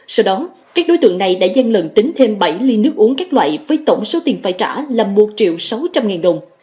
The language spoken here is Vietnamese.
sau đó các đối tượng này đã gian lần tính thêm bảy ly nước uống các loại với tổng số tiền phải trả là một sáu trăm linh đồng